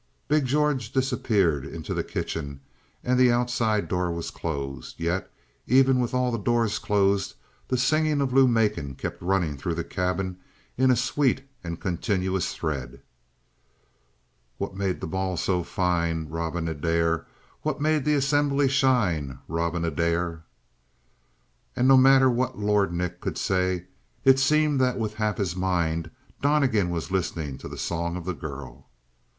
Big George disappeared into the kitchen and the outside door was closed. Yet even with all the doors closed the singing of Lou Macon kept running through the cabin in a sweet and continuous thread. What made the ball so fine? Robin Adair! What made the assembly shine? Robin Adair! And no matter what Lord Nick could say, it seemed that with half his mind Donnegan was listening to the song of the girl.